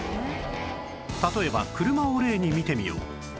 例えば車を例に見てみよう